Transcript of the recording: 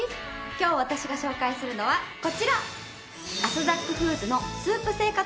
今日私が紹介するのはこちら！